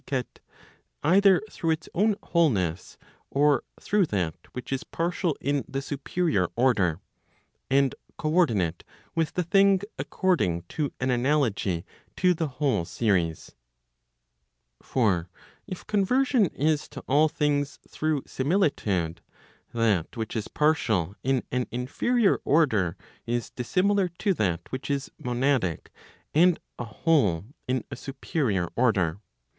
either through its own wholeness or through that which is partial in the superior order, and co ordinate with the thing according to an analogy to the whole series. For if conversion is to all things through similitude, that which is partial in an inferior order, is dissimilar to that which is monadic and a whole in a superior order.